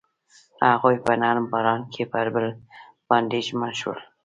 هغوی په نرم باران کې پر بل باندې ژمن شول.